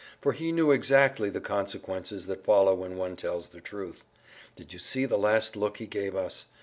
For he knew exactly the consequences that follow when one tells the truth. Did you see the last look he gave us?